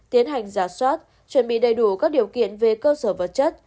tiến hành giả soát chuẩn bị đầy đủ các điều kiện về cơ sở vật chất